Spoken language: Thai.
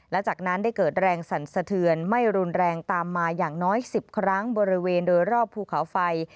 และจากนั้นได้เกิดแรงสั่นสะเทือนไม่รุนแรงตามมาอย่างน้อย๑๐ครั้งบริเวณโดยรอบภูเขาไฟ